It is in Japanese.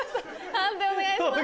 判定お願いします。